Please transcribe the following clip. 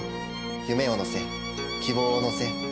［夢を乗せ希望を乗せ